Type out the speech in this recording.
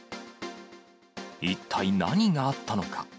一体何があったのか。